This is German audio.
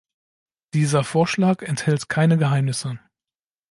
Dieser Vorschlag enthält keine Geheimnisse.